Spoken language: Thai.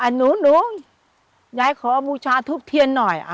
หนูยายขอบูชาทุบเทียนหน่อย